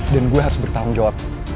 dan gue harus bertanggung jawab